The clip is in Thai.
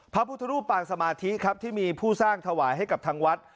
พระพุทธรูปปางสมาธิครับที่มีผู้สร้างถวายให้กับทางวัด